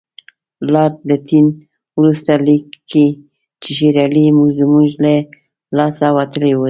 لارډ لیټن وروسته لیکي چې شېر علي زموږ له لاسه وتلی دی.